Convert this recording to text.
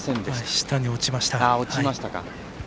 下に落ちました。